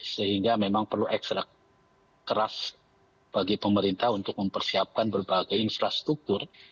sehingga memang perlu ekstrak keras bagi pemerintah untuk mempersiapkan berbagai infrastruktur